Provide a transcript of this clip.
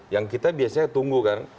yang kita biasanya tunggu kan